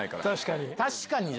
確かに。